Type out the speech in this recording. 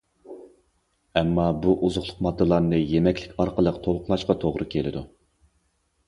ئەمما بۇ ئوزۇقلۇق ماددىلارنى يېمەكلىك ئارقىلىق تولۇقلاشقا توغرا كېلىدۇ.